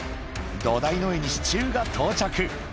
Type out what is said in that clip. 土台の上に支柱が到着。